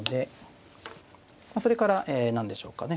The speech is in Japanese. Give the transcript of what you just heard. それからえ何でしょうかね